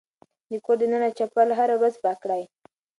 د کور دننه چپل هره ورځ پاک کړئ.